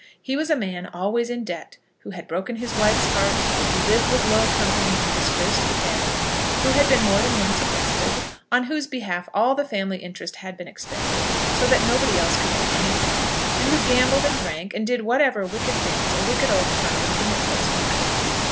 He was a man always in debt, who had broken his wife's heart, who lived with low company and disgraced the family, who had been more than once arrested, on whose behalf all the family interest had been expended, so that nobody else could get anything, and who gambled and drank and did whatever wicked things a wicked old colonel living at Portsmouth could do.